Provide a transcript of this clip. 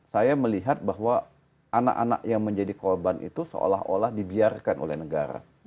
saya melihat bahwa anak anak yang menjadi korban itu seolah olah dibiarkan oleh negara